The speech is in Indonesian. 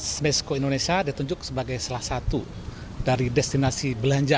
smesco indonesia ditunjuk sebagai salah satu dari destinasi belanja